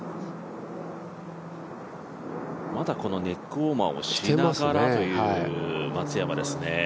まだこのネックウォーマーをしてながらという松山ですね。